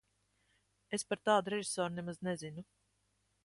Es par tādu režisoru nemaz nezinu.